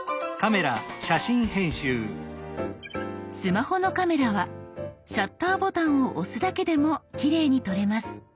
スマホのカメラはシャッターボタンを押すだけでもきれいに撮れます。